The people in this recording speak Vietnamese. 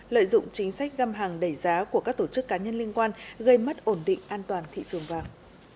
lợi dụng chính sách găm hàng đẩy giá của các tổ chức cá nhân liên quan gây mất ổn định an toàn thị trường vàng